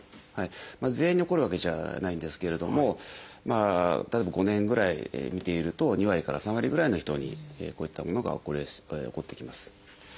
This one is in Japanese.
全員に起こるわけじゃないんですけれども例えば５年ぐらい見ていると２割から３割ぐらいの人にこういったものが起こってきます。